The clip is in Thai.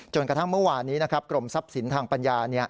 กระทั่งเมื่อวานนี้กรมทรัพย์สินทางปัญญา